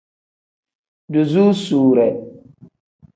Duzusuure.